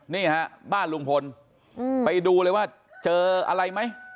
นี่ฮะบ้านลุงพลไปดูเลยว่าเจออะไรไหม